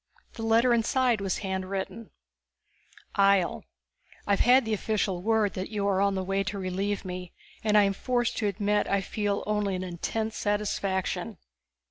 The letter inside was handwritten. Ihjel: _I've had the official word that you are on the way to relieve me and I am forced to admit I feel only an intense satisfaction.